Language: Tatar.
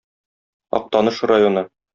Актаныш районы.